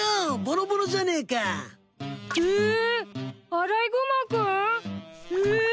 アライグマ君？え！？